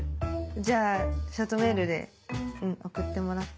じゃあショートメールで送ってもらっていい？